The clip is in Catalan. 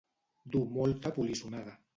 Dur molta polissonada.